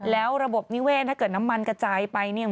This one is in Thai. แล้วระบบนิเวศถ้าเกิดน้ำมันกระจายไปเนี่ย